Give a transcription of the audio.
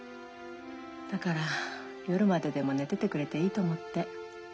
だから夜まででも寝ててくれていいと思って。